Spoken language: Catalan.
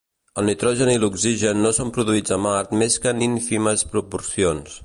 El nitrogen i l'oxigen no són produïts a Mart més que en ínfimes proporcions.